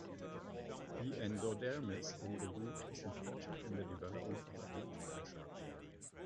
The endodermis in the root is important in the development of root pressure.